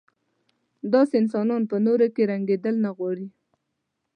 داسې انسانان په نورو کې رنګېدل نه غواړي.